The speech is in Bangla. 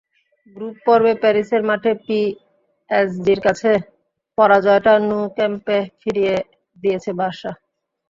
গ্রুপ পর্বে প্যারিসের মাঠে পিএসজির কাছে পরাজয়টা ন্যু ক্যাম্পে ফিরিয়ে দিয়েছে বার্সা।